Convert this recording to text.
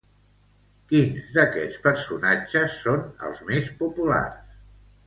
Quins d'aquests personatges són els més populars?